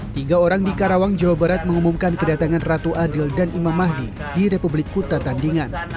tiga orang di karawang jawa barat mengumumkan kedatangan ratu adil dan imam mahdi di republik kuta tandingan